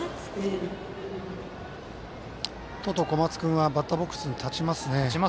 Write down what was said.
小松君がバッターボックスに立ちますね。